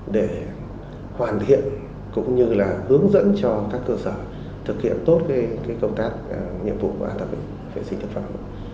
để hoàn thiện cũng như là hướng dẫn cho các cơ sở thực hiện tốt công tác nhiệm vụ và an toàn vệ sinh thực phẩm